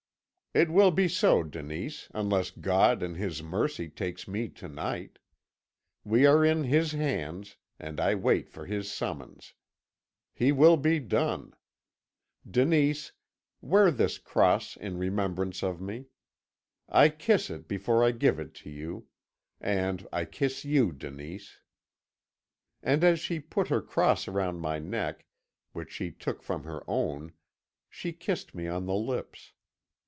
"'It will be so, Denise, unless God in His mercy takes me to night. We are in His hands, and I wait for His summons. His will be done! Denise, wear this cross in remembrance of me. I kiss it before I give it to you and I kiss you, Denise!' "And as she put the cross round my neck, which she took from her own, she kissed me on the lips.